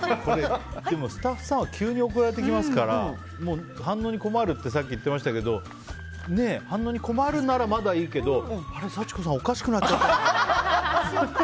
スタッフさんは急に送られてきますから反応に困るって言ってましたけど反応に困るならまだいいけどあれ、幸子さんおかしくなっちゃったんじゃって。